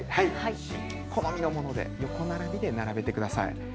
好みのものを横並びで並べてください。